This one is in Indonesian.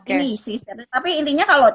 oke tapi intinya kalau